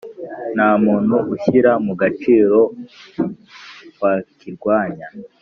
nta muntu ushyira mugaciro wakirwanya.